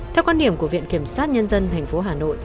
theo quan điểm của viện kiểm sát nhân dân thành phố hà nội